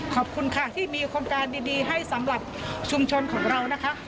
ขอบคุณมากค่ะ